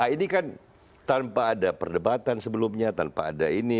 ini kan tanpa ada perdebatan sebelumnya tanpa ada ini